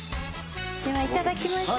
ではいただきましょう。